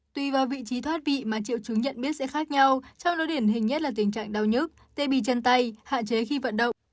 tùy vào vị trí thoát vị mà triệu chứng nhận biết sẽ khác nhau trong đó điển hình nhất là tình trạng đau nhức tê bì chân tay hạn chế khi vận động